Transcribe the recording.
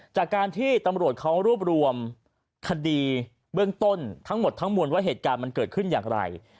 จากการที่ตำรวจเขารวบรวมคดีเบื้องต้นทั้งหมดทั้งมวลว่าเหตุการณ์มันเกิดขึ้นอย่างไร